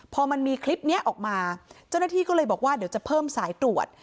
พอมันมีคลิปนี้ออกมาเจ้าหน้าที่ก็เลยบอกว่าเดี๋ยวจะเพิ่มสายตรวจ